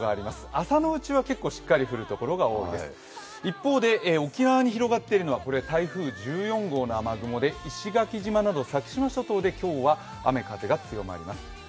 朝のうちは結構しっかり降るところが多いです一方で沖縄に広がっているのは台風１４号などの雨雲で石垣島など先島諸島で今日は雨・風が強まります。